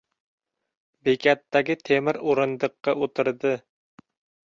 Bekatdagi temir o‘rindiqqa o‘tirdi.